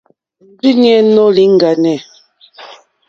Òrzìɲɛ́ nóò lìŋɡáné.